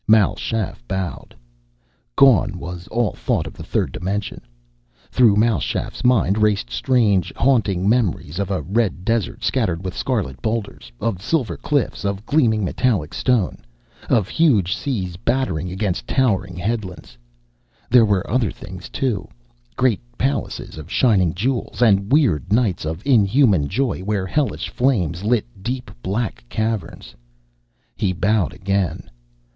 Mal Shaff bowed. Gone was all thought of the third dimension. Through Mal Shaff's mind raced strange, haunting memories of a red desert scattered with scarlet boulders, of silver cliffs of gleaming metallic stone, of huge seas battering against towering headlands. There were other things, too. Great palaces of shining jewels, and weird nights of inhuman joy where hellish flames lit deep, black caverns. He bowed again.